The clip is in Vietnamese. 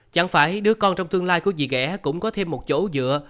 chẳng phải đứa con trong tương lai của chị ghẻ cũng có thêm một chỗ dựa